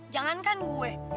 jangan kan gue